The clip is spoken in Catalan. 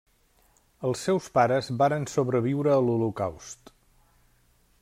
Els seus pares varen sobreviure a l'Holocaust.